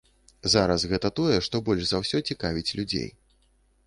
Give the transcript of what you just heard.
Зараз гэта тое, што больш за ўсё цікавіць людзей.